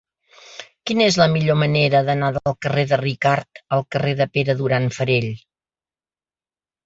Quina és la millor manera d'anar del carrer de Ricart al carrer de Pere Duran Farell?